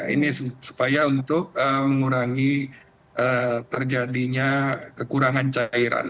ini supaya untuk mengurangi terjadinya kekurangan cairan